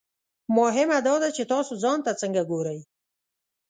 مهمه دا ده چې تاسو ځان ته څنګه ګورئ.